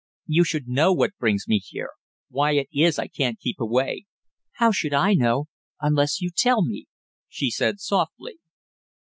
"You should know what brings me here, why it is I can't keep away " "How should I know, unless you tell me?" she said softly.